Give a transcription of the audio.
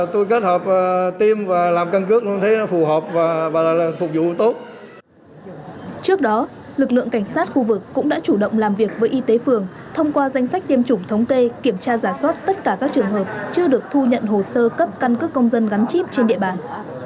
tổ cấp căn cức công dân lưu động làm việc với y tế phường thông qua danh sách tiêm chủng thống kê kiểm tra giả soát tất cả các trường hợp chưa được thu nhận hồ sơ cấp căn cức công dân gắn chip trên địa bàn